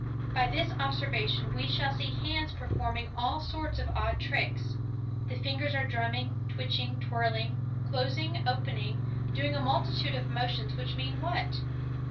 By this observation we shall see hands performing all sorts of odd tricks. The fingers are drumming, twitching, twirling, closing, opening, doing a multitude of motions which mean what?